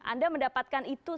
anda mendapatkan itu